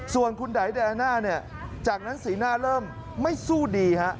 ส่วนคุณดัยดานะจากนั้นสีหน้าเริ่มไม่สู้ดี